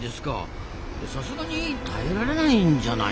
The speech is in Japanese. さすがに耐えられないんじゃないの？